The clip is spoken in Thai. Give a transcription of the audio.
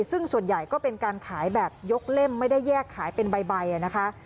ซึ่งส่วนใหญ่ก็เป็นการขายแบบยกเล่มไม่ได้แยกขายเป็นใบนะคะ